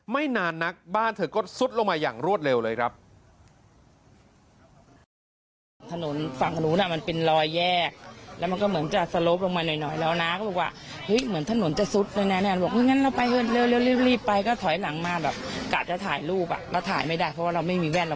ไม่นานนักบ้านเธอก็ซุดลงมาอย่างรวดเร็วเลยครับ